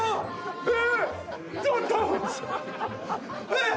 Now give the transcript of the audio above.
えっ！